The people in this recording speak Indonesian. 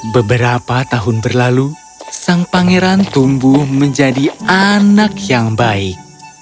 beberapa tahun berlalu sang pangeran tumbuh menjadi anak yang baik